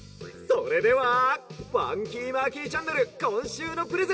「それではファンキーマーキーチャンネルこんしゅうのプレゼント